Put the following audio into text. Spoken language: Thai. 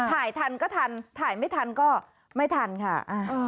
ถ่ายทันก็ทันถ่ายไม่ทันก็ไม่ทันค่ะ